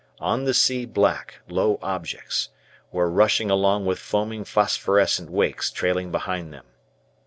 On the sea black, low objects were rushing along with foaming phosphorescent wakes trailing behind them.